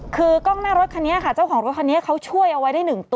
คือกล้องหน้ารถคันนี้ค่ะเจ้าของรถคันนี้เขาช่วยเอาไว้ได้๑ตัว